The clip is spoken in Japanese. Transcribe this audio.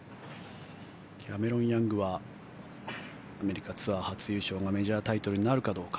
キャメロン・ヤングはアメリカツアー初優勝がメジャータイトルになるかどうか。